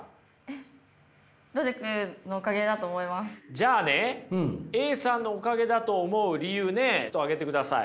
じゃあねＡさんのおかげだと思う理由ねちょっと挙げてください。